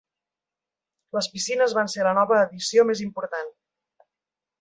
Les piscines van ser la nova addició més important.